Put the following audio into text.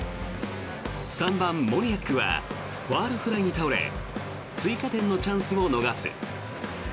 ３番、モニアックはファウルフライに倒れ追加点のチャンスを逃す。